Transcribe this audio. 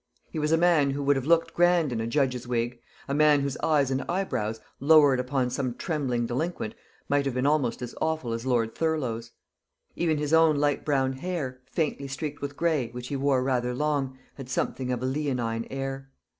He was a man who would have looked grand in a judge's wig; a man whose eyes and eyebrows, lowered upon some trembling delinquent, might have been almost as awful as Lord Thurlow's. Even his own light brown hair, faintly streaked with grey, which he wore rather long, had something of a leonine air.